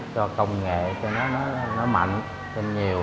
cho công nghệ cho nó mạnh cho nhiều